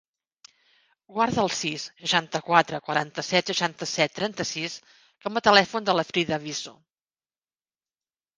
Guarda el sis, seixanta-quatre, quaranta-set, seixanta-set, trenta-sis com a telèfon de la Frida Viso.